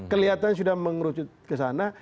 kelihatan sudah mengerucut ke sana